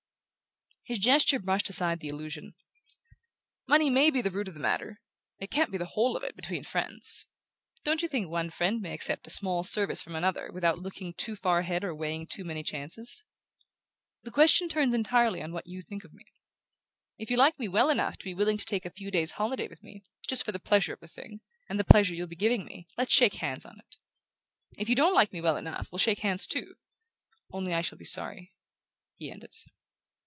His gesture brushed aside the allusion. "Money may be the root of the matter; it can't be the whole of it, between friends. Don't you think one friend may accept a small service from another without looking too far ahead or weighing too many chances? The question turns entirely on what you think of me. If you like me well enough to be willing to take a few days' holiday with me, just for the pleasure of the thing, and the pleasure you'll be giving me, let's shake hands on it. If you don't like me well enough we'll shake hands too; only I shall be sorry," he ended.